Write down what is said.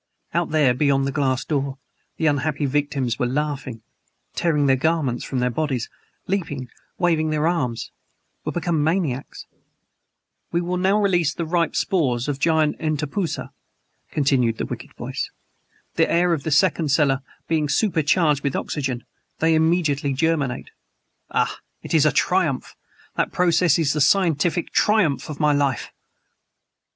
Out there, beyond the glass door, the unhappy victims were laughing tearing their garments from their bodies leaping waving their arms were become MANIACS! "We will now release the ripe spores of giant entpusa," continued the wicked voice. "The air of the second cellar being super charged with oxygen, they immediately germinate. Ah! it is a triumph! That process is the scientific triumph of my life!"